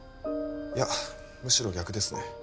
いやむしろ逆ですね